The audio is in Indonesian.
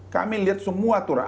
kami lihat semua turang